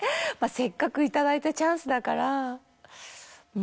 せっかく頂いたチャンスだから。